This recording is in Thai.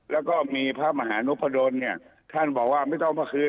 แล้วก็มีพระมหานพดลเนี่ยท่านบอกว่าไม่ต้องเอามาคืน